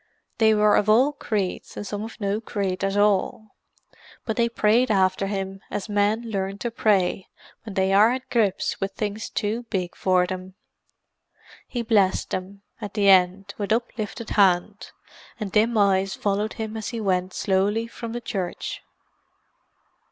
They were of all creeds and some of no creed at all: but they prayed after him as men learn to pray when they are at grips with things too big for them. He blessed them, at the end, with uplifted hand; and dim eyes followed him as he went slowly from the church.